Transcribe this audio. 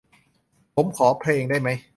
ผมขอเพลงได้ไหม ?